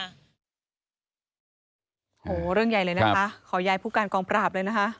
โอ้โหเรื่องใหญ่เลยนะคะขอย้ายผู้การกองปราบเลยนะคะ